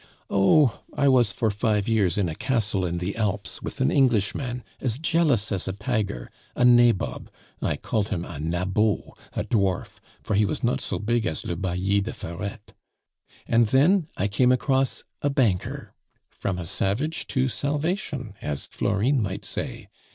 "Oh, I was for five years in a castle in the Alps with an Englishman, as jealous as a tiger, a nabob; I called him a nabot, a dwarf, for he was not so big as le bailli de Ferrette. "And then I came across a banker from a savage to salvation, as Florine might say.